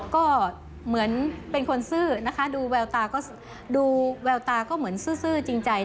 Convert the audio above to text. ก็เหมือนเป็นคนซื่อนะคะดูแววตาก็ดูแววตาก็เหมือนซื่อจริงใจ